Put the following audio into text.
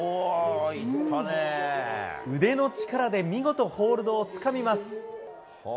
腕の力で見事、ホールドをつかみます。